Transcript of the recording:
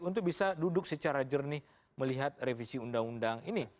untuk bisa duduk secara jernih melihat revisi undang undang ini